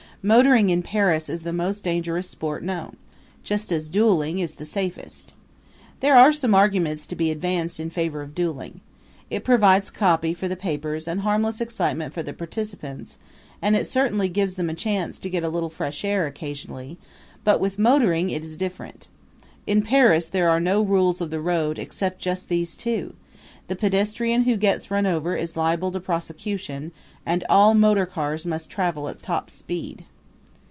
Motoring in Paris is the most dangerous sport known just as dueling is the safest. There are some arguments to be advanced in favor of dueling. It provides copy for the papers and harmless excitement for the participants and it certainly gives them a chance to get a little fresh air occasionally, but with motoring it is different. In Paris there are no rules of the road except just these two the pedestrian who gets run over is liable to prosecution, and all motor cars must travel at top speed.